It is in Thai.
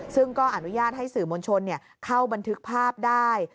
ซึ่งก็อนุญาตให้สื่อมวลชนเข้าบันทึกภาพได้